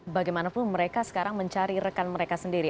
bagaimanapun mereka sekarang mencari rekan mereka sendiri